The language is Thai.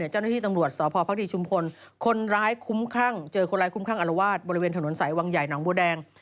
เจ้าน้องที่ตำรวจสภพชุมพลคนร้ายคุ้มข้างอรวาสบริเวณถนนใสวงใหญ่หนองบัวแดง